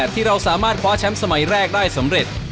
ที่เราสามารถคว้าแชมป์สมัยแรกได้สำเร็จ